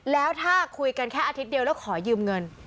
แล้วถ้าคุยกันแค่อาทิตย์เดียวแล้วขอยืมเงิน